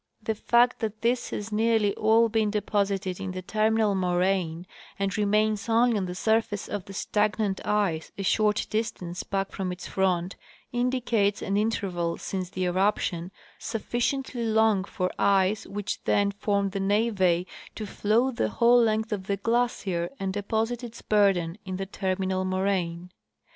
The fact that this has nearly all been deposited in the terminal moraine and remains only on the surface of the stagnant ice a short dis tance back from its front indicates, an interval since the eruption sufficiently long for ice which then formed the neve to flow the whole length of the glacier and deposit its burden in the termi nal moraine.